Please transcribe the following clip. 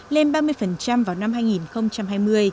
lên ba mươi vào cuối năm hai nghìn một mươi năm